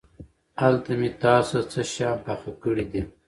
هلته مې تاسو ته څه شيان پاخه کړي دي.